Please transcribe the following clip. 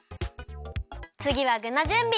つぎはぐのじゅんび！